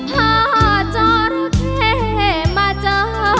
พาจอดเทมาเจอ